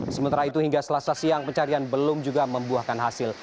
sementara itu hingga selasa siang pencarian belum juga membuahkan hasil